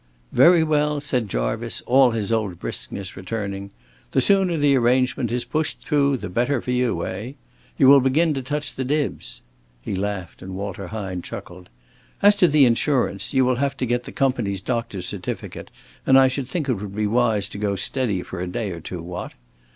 "Very well," said Jarvice, all his old briskness returning. "The sooner the arrangement is pushed through, the better for you, eh? You will begin to touch the dibs." He laughed and Walter Hine chuckled. "As to the insurance, you will have to get the company's doctor's certificate, and I should think it would be wise to go steady for a day or two, what?